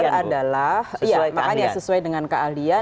yang benar adalah makanya sesuai dengan keahlian